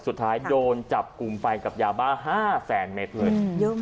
สุดท้ายโดนจับกลุ่มไปกับยาบ้า๕แสนเมตรเลย